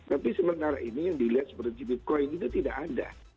tapi sementara ini yang dilihat seperti bitcoin itu tidak ada